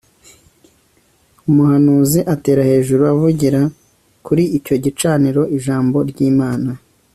Umuhanuzi atera hejuru avugira kuri icyo gicaniro ijambo ryImana